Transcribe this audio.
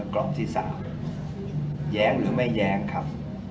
กรอบที่๓แย้งหรือไม่แย้งครับ